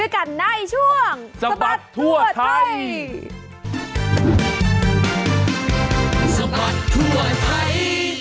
กันในช่วงสะบัดทั่วไทย